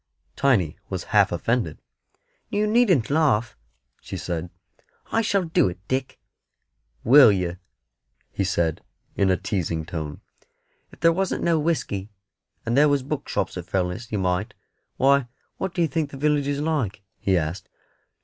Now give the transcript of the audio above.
Tiny was half offended. "You needn't laugh," she said; "I shall do it, Dick." "Will yer?" he said, in a teasing tone. "If there wasn't no whisky, and there was bookshops at Fellness, you might. Why, what do you think the village is like?" he asked.